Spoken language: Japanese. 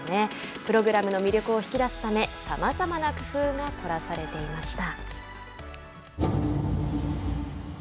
プログラムの魅力を引き出すためさまざまな工夫が凝らされていました。